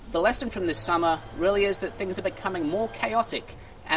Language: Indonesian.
pertanyaan dari bulan ini adalah bahwa hal hal ini menjadi lebih kaotik dan tidak dapat diperhatikan